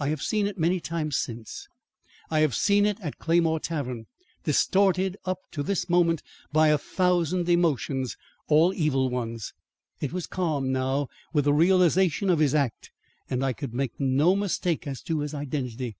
I have seen it many times since; I have seen it at Claymore Tavern. Distorted up to this moment by a thousand emotions, all evil ones, it was calm now with the realisation of his act, and I could make no mistake as to his identity.